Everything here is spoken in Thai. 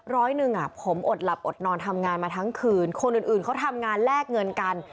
ร้อยหนึ่งผมอดหลับอดนอนทำงานมาทั้งคืนคนอื่นเขาทำงานแลกเงินกัน